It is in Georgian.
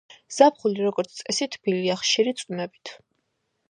ზაფხული როგორც წესი თბილია, ხშირი წვიმებით.